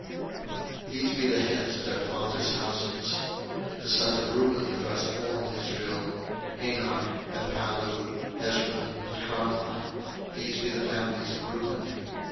02:006:014 These be the heads of their fathers' houses: The sons of Reuben the firstborn of Israel; Hanoch, and Pallu, Hezron, and Carmi: these be the families of Reuben.